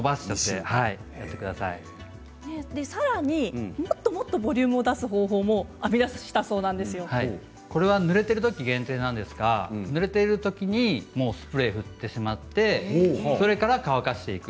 さらにボリュームをもっともっと出す方法をぬれているとき限定なんですがぬれたときにスプレーを振ってしまってそれから乾かしていく